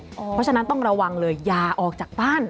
เพราะฉะนั้นต้องระวังเลยอย่าออกจากบ้าน